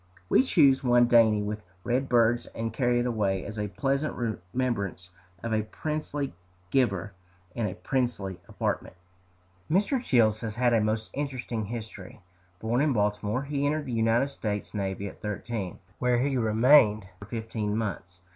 We choose one dainty with red birds, and carry it away as a pleasant remembrance of a princely giver, in a princely apartment. Mr. Childs has had a most interesting history. Born in Baltimore, he entered the United States navy at thirteen, where he remained for fifteen months.